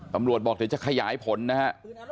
ตำรวจบอกจะขยายผลนะฮะ